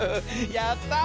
やった！